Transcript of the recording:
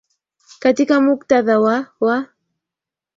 katika mkutadha wa wa